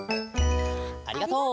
ありがとう。